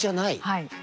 はい。